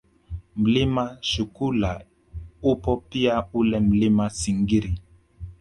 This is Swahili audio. Mlima Shukula upo pia ule Mlima Singiri